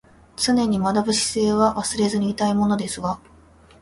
常に学ぶ姿勢は忘れずにいたいものですわ